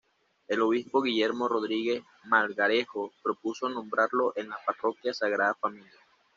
El obispo Guillermo Rodríguez Melgarejo propuso nombrarlo en la parroquia Sagrada Familia.